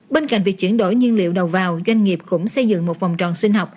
bên cạnh việc chuyển đổi nhân liệu đầu vào doanh nghiệp cũng xây dựng một vòng tròn sinh học